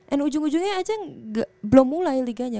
and ujung ujungnya aja belum mulai liganya